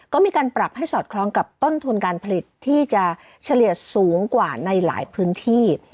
ก็มีการปรับให้สอดคล้องกับต้นทุนการผลิตที่จะเฉลี่ยสูงกว่าในหลายพื้นที่